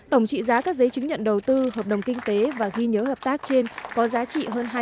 tổng trị giá các giấy chứng nhận đầu tư hợp đồng kinh tế và ghi nhớ hợp tác trên có giá trị hơn hai mươi hai tỷ usd